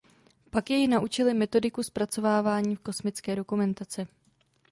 Pak jej naučili metodiku zpracovávání kosmické dokumentace.